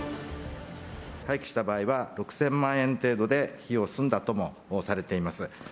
廃棄した場合は、６０００万円程度で費用済んだともされています。